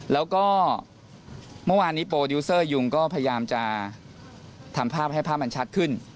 แล้วก็เมื่อวานนี้โปรดิวเซอร์ยุงก็พยายามจะทำภาพให้ภาพมันชัดขึ้น